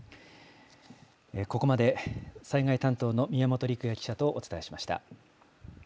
ここまで災害担当の宮本陸也記者とお伝えしました。